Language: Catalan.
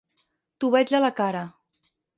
T'ho veig a la cara.